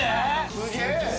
すげえ。